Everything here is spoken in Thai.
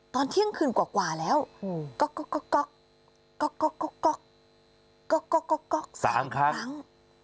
ตอนเที่ยงคืนกว่าแล้วก๊อกก๊อกก๊อกก๊อกก๊อกก๊อก๓ครั้ง